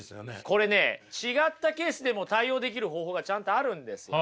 これね違ったケースでも対応できる方法がちゃんとあるんですよ。